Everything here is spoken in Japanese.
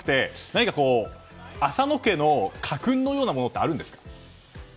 何か浅野家の家訓のようなものってあるんですか。